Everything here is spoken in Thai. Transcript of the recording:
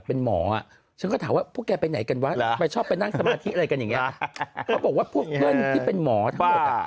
สมาธิอะไรกันอย่างเงี้ยเขาบอกว่าพวกเพื่อนที่เป็นหมอทั้งหมดอ่ะ